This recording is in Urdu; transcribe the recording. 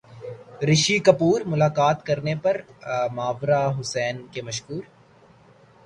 رشی کپور ملاقات کرنے پر ماورا حسین کے مشکور